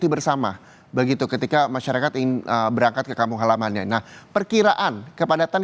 bersama begitu ketika masyarakat ingin berangkat ke kampung halamannya nah perkiraan kepadatan